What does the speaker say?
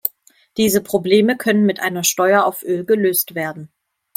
Diese Probleme können mit einer Steuer auf Öl gelöst werden.